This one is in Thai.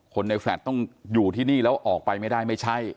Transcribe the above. คนในแฟลตต้องอยู่ที่นี่แล้วออกไปไม่ได้ไม่ใช่